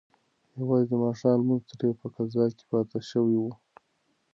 یوازې د ماښام لمونځ ترې په قضا کې پاتې شوی و.